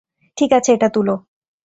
ঠিক আছে, এটা তুলো।